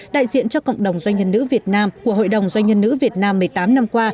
đại diện cho cộng đồng doanh nhân nữ việt nam của hội đồng doanh nhân nữ việt nam một mươi tám năm qua